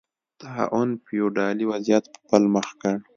طاعون فیوډالي وضعیت په بل مخ کړ.